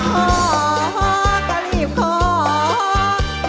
จะพอก็รีบขอ